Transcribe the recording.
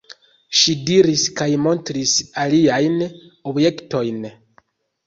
Ŝi ridis kaj montris aliajn objektojn.